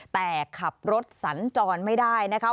แต่ขับรถสัญจรไม่ได้นะคะ